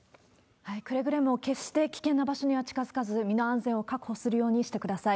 くれぐれも、決して危険な場所には近づかず、身の安全を確保するようにしてください。